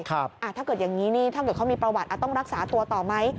ถ้าเกิดอย่างนี้นี่ถ้าเกิดเขามีประวัติต้องรักษาตัวต่อไหม